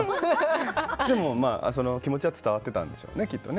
でも、その気持ちは伝わってたんでしょうね、きっと。